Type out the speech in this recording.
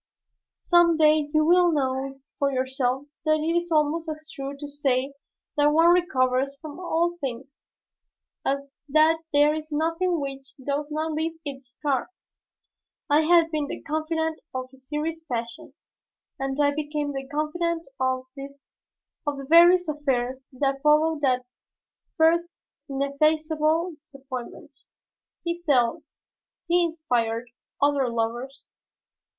Some day you will know for yourself that it is almost as true to say that one recovers from all things as that there is nothing which does not leave its scar. I had been the confidant of his serious passion, and I became the confidant of the various affairs that followed that first ineffaceable disappointment. He felt, he inspired, other loves.